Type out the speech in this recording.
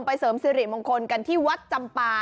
เสริมสิริมงคลกันที่วัดจำปา